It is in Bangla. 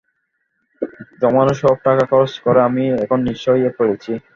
জমানো সব টাকা খরচ করে আমি এখন নিঃস্ব হয়ে পড়েছি।